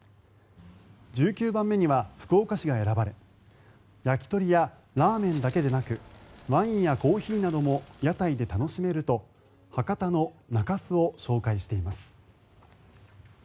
１９番目には福岡市が選ばれ焼き鳥やラーメンだけでなくワインやコーヒーなども屋台で楽しめると博多の中洲を紹介しています。